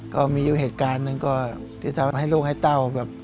ก็มีอยู่เหตุการณ์หนึ่งก็ที่ทำให้ลูกให้เต้าแบบ